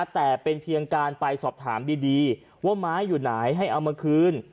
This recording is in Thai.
แต่เป็นเพียงการไปสอบถามดีว่าไม้อยู่ไหนให้เอามาคืน